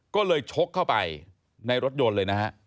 ก็เลยชกเข้าไปในรถยนต์เลยนะฮะ